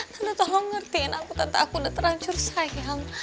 tanda tolong ngertiin aku tante aku udah terhancur sayang